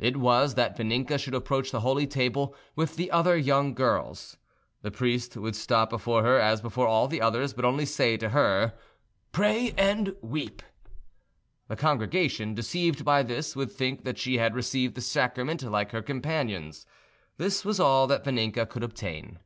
It was that Vaninka should approach the Holy Table with the other young girls; the priest would stop before her as before all the others, but only say to her, "Pray and weep"; the congregation, deceived by this, would think that she had received the Sacrament like her companions. This was all that Vaninka could obtain.